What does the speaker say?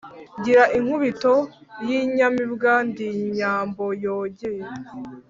Ngira inkubito y'inyamibwa ndi Nyambo yogeye